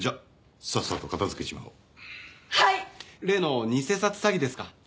例の偽札詐欺ですか？